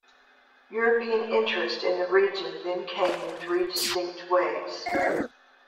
European interest in the region then came in three distinct waves.